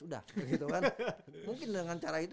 udah gitu kan mungkin dengan cara itu